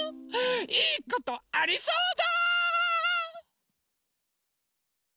いいことありそうだ！